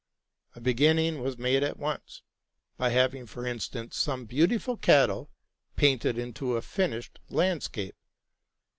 A beginning was made at once, by having, for instance, some beautiful cattle painted into a finished landscape.